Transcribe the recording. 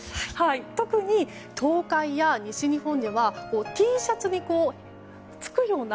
特に東海や西日本ではＴシャツにつくような。